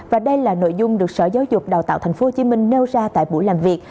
và đây là nội dung được sở giáo dục đào tạo tp hcm nêu ra tại buổi làm việc